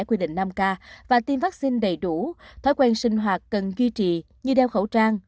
quy định năm k và tiêm vaccine đầy đủ thói quen sinh hoạt cần duy trì như đeo khẩu trang